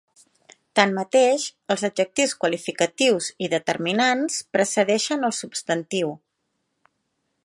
Tanmateix, els adjectius qualificatius i determinants precedeixen el substantiu.